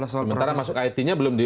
sementara masuk itnya belum di